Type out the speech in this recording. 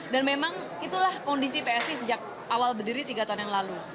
dan memang itulah kondisi psi sejak awal berdiri tiga tahun yang lalu